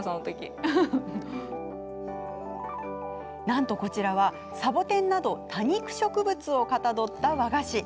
なんと、こちらはサボテンなど多肉植物をかたどった和菓子。